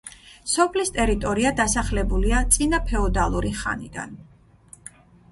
სოფლის ტერიტორია დასახლებულია წინაფეოდალური ხანიდან.